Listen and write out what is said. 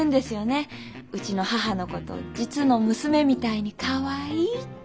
うちの母のこと「実の娘みたいにかわいい」って。